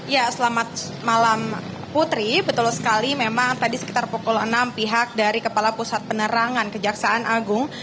ya selamat malam putri betul sekali memang tadi sekitar pukul enam pihak dari kepala pusat penerangan kejaksaan agung